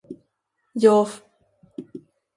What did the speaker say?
Yoofp.